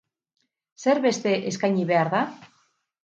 Zer beste eskaini behar da?